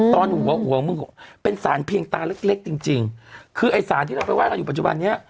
ตอนหัวหัวมึงเป็นสารเพียงตาเล็กจริงคือไอ้สารที่เราไปไหว้กันอยู่ปัจจุบันนี้